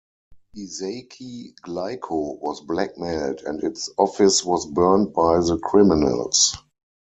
Ezaki Glico was blackmailed and its office was burned by the criminals.